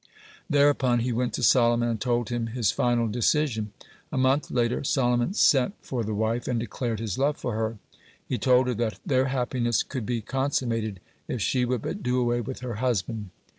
Thereupon he went to Solomon, and told him his final decision. A month later Solomon sent for the wife, and declared his love for her. He told her that their happiness could be consummated if she would but do away with her husband.